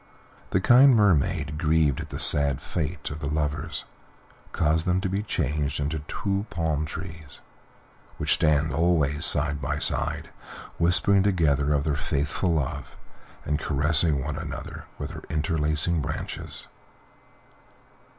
The kind Mermaid, grieved at the sad fate of the lovers, caused them to be changed into two tall palm trees, which stand always side by side, whispering together of their faithful love and caressing one another with their interlacing branches.